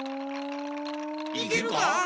いけるか？